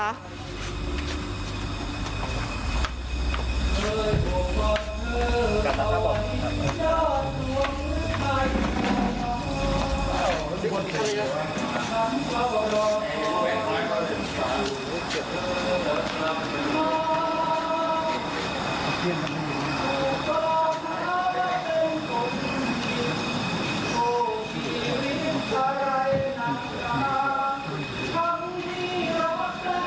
แล้วเป็นคนอุ้ยโอ้ชีวิตสาหร่ายน้ำตา